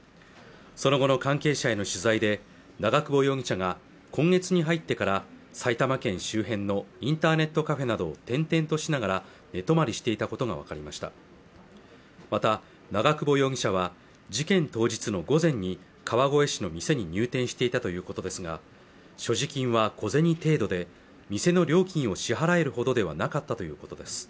その後の関係者への取材で長久保容疑者が今月に入ってから埼玉県周辺のインターネットカフェなどを転々としながら寝泊まりしていたことが分かりましたまた長久保容疑者は事件当日の午前に川越市の店に入店していたということですが所持金は小銭程度で店の料金を支払えるほどではなかったということです